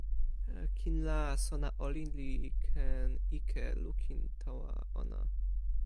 kin la, sona olin li ken ike lukin tawa ona.